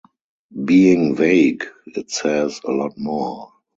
Being vague it says a lot more.